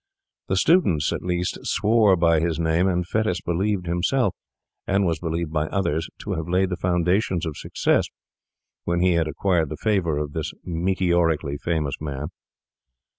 The students, at least, swore by his name, and Fettes believed himself, and was believed by others, to have laid the foundations of success when he had acquired the favour of this meteorically famous man.